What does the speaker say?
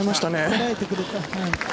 こらえてくれた。